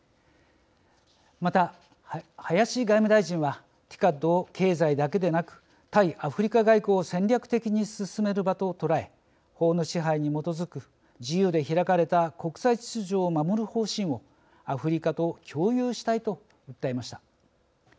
また、林外務大臣はＴＩＣＡＤを経済だけでなく対アフリカ外交を戦略的に進める場と捉え法の支配に基づく自由で開かれた国際秩序を守る方針をアフリカと共有したいと訴えました。